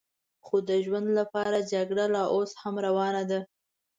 خو د ژوند لپاره جګړه لا اوس هم روانه ده.